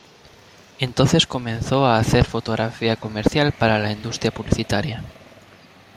Entonces comenzó a hacer fotografía comercial para la industria publicitaria.